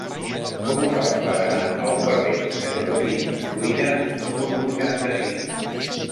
Com ho faig per anar al carrer de Joaquim Ruyra número vuitanta-cinc?